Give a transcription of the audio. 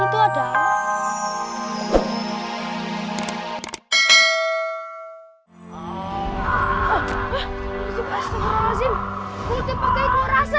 gue udah pakai ikon rasa